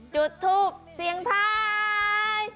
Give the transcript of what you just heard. จุดทูบเสียงไทย